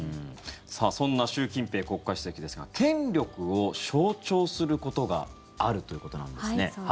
そんな習近平国家主席ですが権力を象徴することがあるということなんですね。